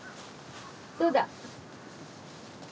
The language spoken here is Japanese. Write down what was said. どうだ？